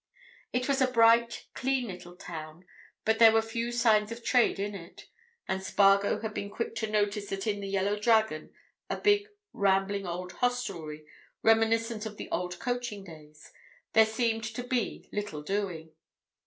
It was a bright, clean, little town, but there were few signs of trade in it, and Spargo had been quick to notice that in the "Yellow Dragon," a big, rambling old hostelry, reminiscent of the old coaching days, there seemed to be little doing.